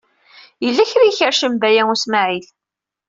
Yella kra ay ikerrcen Baya U Smaɛil.